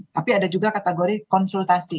tapi ada juga kategori konsultasi